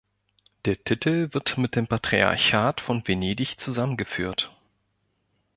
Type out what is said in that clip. Der Titel wird mit dem Patriarchat von Venedig zusammengeführt.